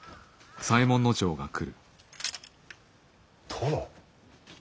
殿。